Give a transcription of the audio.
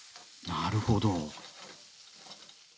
なるほど。